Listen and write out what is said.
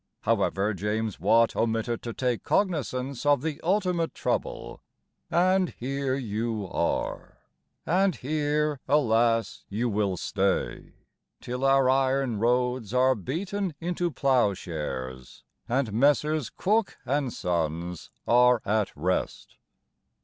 However, James Watt Omitted to take cognisance of the ultimate trouble, And here you are. And here, alas! you will stay, Till our iron roads are beaten into ploughshares, And Messrs. Cook & Sons are at rest.